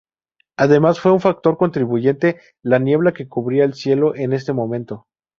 Además, fue un factor contribuyente la niebla que cubría el cielo en ese momento.